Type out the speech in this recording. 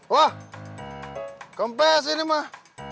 wah kempes ini mah